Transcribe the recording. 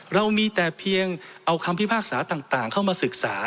เรามีแต่เพียงเอาคำพิพากษาต่างเข้ามาศึกษา